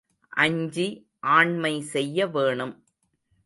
அஞ்சி ஆண்மை செய்ய வேணும்.